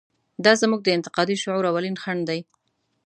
دا زموږ د انتقادي شعور اولین خنډ دی.